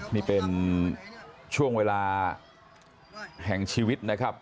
นี่เป็นช่วงเวลาแห่งชีวิตนะครับ